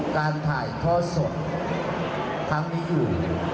การถ่ายข้อส่วนทั้งนี้อยู่